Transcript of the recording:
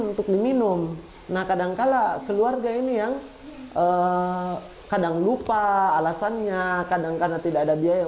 untuk diminum nah kadangkala keluarga ini yang kadang lupa alasannya kadang kadang tidak ada biaya